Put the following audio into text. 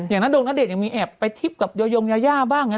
อย่างนัดลงณเดชน์ยังมีแอบไปทิศกับโยองยาบาลบ้าง